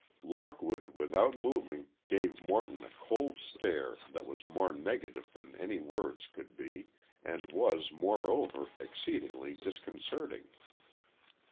Lockwood, without moving, gave Morton a cold stare that was more negative than any words could be, and was, moreover, exceedingly disconcerting.